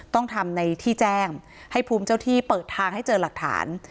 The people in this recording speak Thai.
ต้องทำในที่แจ้งให้ภูมิเจ้าที่เปิดทางให้เจอหลักฐาน